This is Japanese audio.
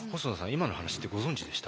今の話ってご存じでした？